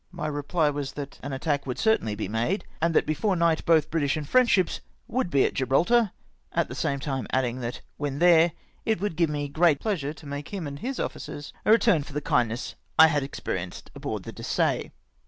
" My reply was " that an attack would certainly be made, and that before night both British and French ships would be at Gibraltar," at the same time adding that when there, it would give me great pleasure to make him and his officers a retm^n for the kindness I had experienced on board the Dessaiv !